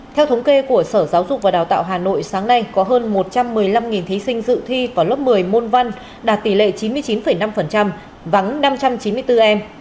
theo thống kê của sở giáo dục và đào tạo hà nội sáng nay có hơn một trăm một mươi năm thí sinh dự thi vào lớp một mươi môn văn đạt tỷ lệ chín mươi chín năm vắng năm trăm chín mươi bốn em